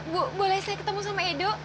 bu boleh saya ketemu sama edo